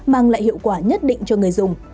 mang lại hiệu quả nhất định cho người dùng